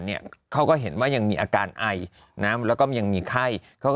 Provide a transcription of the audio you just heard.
เนี่ยเขาก็เห็นว่ายังมีอาการไอนะแล้วก็ยังมีไข้เขาก็